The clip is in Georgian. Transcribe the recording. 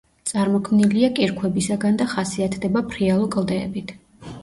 წარმოქმნილია კირქვებისაგან და ხასიათდება ფრიალო კლდეებით.